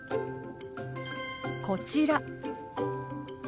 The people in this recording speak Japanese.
こちら。